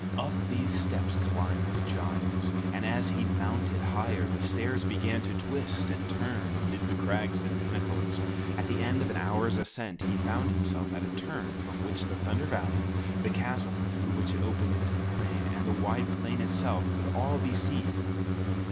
Up these steps climbed Giles, and as he mounted higher, the stairs began to twist and turn amid the crags and pinnacles. At the end of an hour's ascent, he found himself at a turn from which the Thunder Valley, the chasm through which it opened into the plain, and the wide plain itself, could all be seen.